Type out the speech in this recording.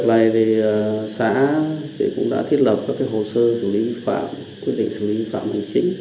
về cái việc này thì xã cũng đã thiết lập các hồ sơ xử lý vi phạm quyết định xử lý vi phạm hình chính